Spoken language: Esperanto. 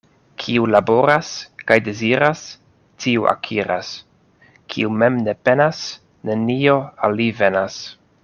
Kiu laboras kaj deziras, tiu akiras — kiu mem ne penas, nenio al li venas.